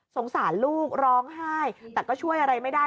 สงสารลูกร้องไห้แต่ก็ช่วยอะไรไม่ได้